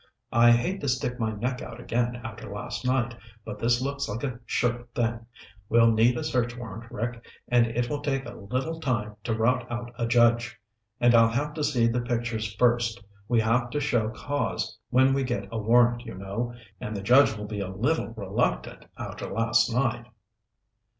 "I hate to stick my neck out again after last night, but this looks like a sure thing. We'll need a search warrant, Rick, and it will take a little time to rout out a judge. And I'll have to see the pictures first. We have to show cause when we get a warrant, you know, and the judge will be a little reluctant after last night."